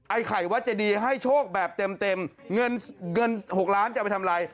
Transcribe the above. ไข่วัดเจดีให้โชคแบบเต็มเงินเงิน๖ล้านจะเอาไปทำอะไร